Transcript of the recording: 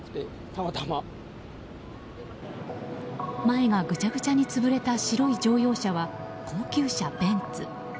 前がぐちゃぐちゃに潰れた白い乗用車は高級車ベンツ。